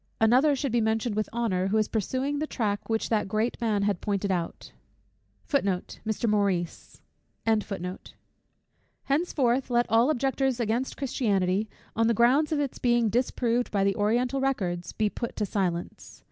Another should be mentioned with honour, who is pursuing the track which that great man had pointed out. Henceforth let all objectors against Christianity, on the ground of its being disproved by the oriental records, be put to silence.